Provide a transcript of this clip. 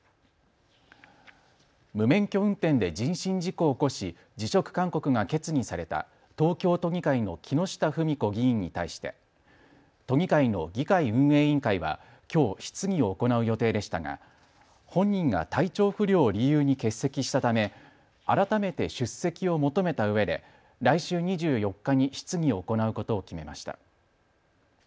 無免許運転で人身事故を起こし辞職勧告が決議された東京都議会の木下富美子議員に対して都議会の議会運営委員会はきょう質疑を行う予定でしたが本人が体調不良を理由に欠席したため改めて出席を求めたうえで来週２４日に質疑を行うことを決めました。